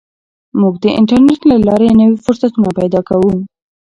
موږ د انټرنیټ له لارې نوي فرصتونه پیدا کوو.